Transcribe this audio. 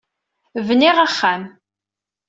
Bniɣ axxam.